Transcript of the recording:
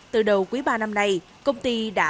từ đầu quý ba năm nay công ty đã